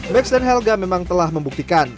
max dan helga memang telah membuktikan